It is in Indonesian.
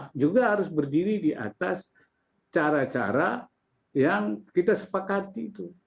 tapi kita harus berdiri di atas cara cara yang kita sepakati